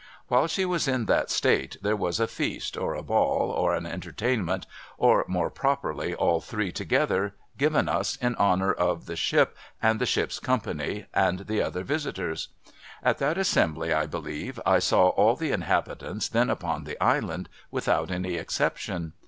\Miile she was in that state, there was a feast, or a ball, or an entertainment, or more properly all three together, given us in honour of the ship, and the ship's company, and the other visitors. At that assembly, I believe, I saw all the inhabitants then upon the Island, without any exception.